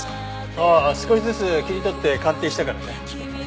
ああ少しずつ切り取って鑑定したからね。